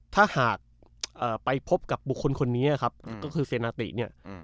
ถ้าหากไปพบกับบุคคลคนนี้ครับก็คือเซนาติเนี่ย